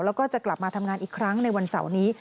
แล้วก็จะกลับมาทำงานอีกครั้งในวันเสาร์นี้